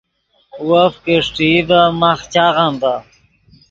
وف کہ اݰٹئی ڤے ماخ چاغم ڤے